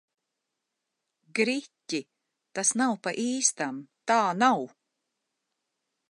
Gri-ķi! Tas nav pa īstam! Tā nav!